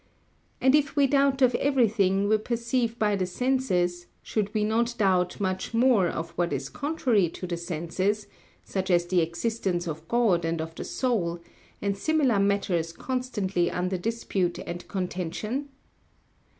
And if we doubt of everything we perceive by the senses, should we not doubt much more of what is contrary to the senses, such as the existence of God and of the soul, and similar matters constantly under dispute and contention?